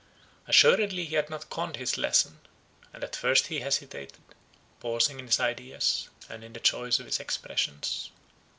Assuredly he had not conned his lesson; and at first he hesitated, pausing in his ideas, and in the choice of his expressions.